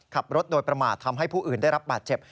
ขับรถโดยประมาททำให้ผู้อื่นได้รับบาดเจ็บ